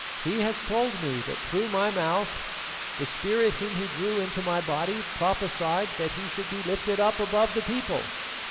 He has told me that through my mouth that spirit whom he drew into my body prophesied that he should be 'lifted up above the people.